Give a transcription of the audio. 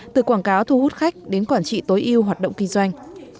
từ quảng cáo thu hút khách đến quản trị tối yêu hoạt động kinh doanh